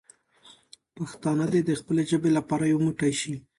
پښتانه دې د خپلې ژبې لپاره یو موټی شي.